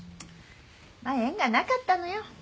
まあ縁がなかったのよ。